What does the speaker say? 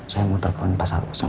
saya mau telepon pasal ustaz